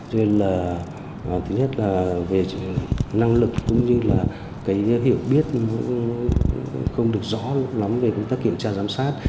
cho nên là thứ nhất là về năng lực cũng như là cái hiểu biết cũng không được rõ lắm về chúng ta kiểm tra giám sát